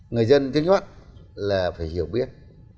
người dân thứ nhất là phải hiểu biết